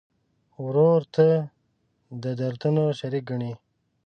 ورور ته د دردونو شریک ګڼې.